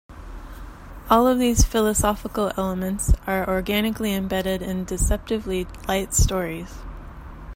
All of these philosophical elements are organically embedded in deceptively 'light' stories.